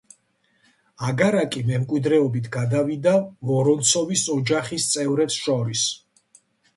აგარაკი მემკვიდრეობით გადავიდა ვორონცოვის ოჯახის წევრებს შორის.